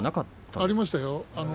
ありましたよ。